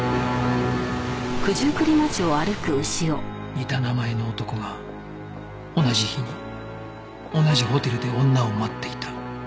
似た名前の男が同じ日に同じホテルで女を待っていた